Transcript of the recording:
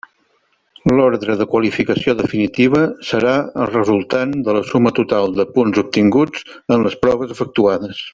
L'ordre de qualificació definitiva serà el resultant de la suma total de punts obtinguts en les proves efectuades.